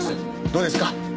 どうですか？